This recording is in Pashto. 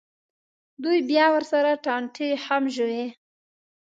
دوی بیا ورسره ټانټې هم ژووي.